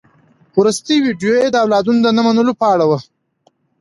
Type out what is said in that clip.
وروستۍ ويډيو يې د اولادونو د نه منلو په اړه ده.